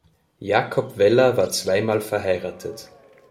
Jakob Weller war zweimal verheiratet.